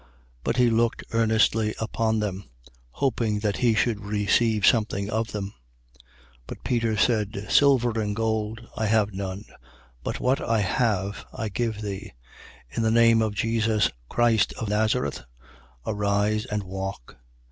3:5. But he looked earnestly upon them, hoping that he should receive something of them. 3:6. But Peter said: Silver and gold I have none; but what I have, I give thee. In the name of Jesus Christ of Nazareth, arise and walk.